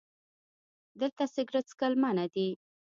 🚭 دلته سګرټ څکل منع دي